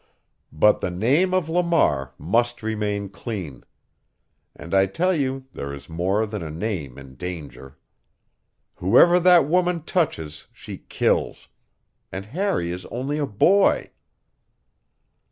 But the name of Lamar must remain clean; and I tell you there is more than a name in danger. Whoever that woman touches she kills. And Harry is only a boy."